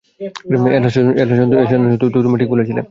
Anson, তুমি ঠিক বলেছিলে।